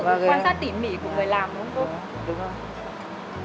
và cái sự quan sát tỉ mỉ của người làm đúng không cô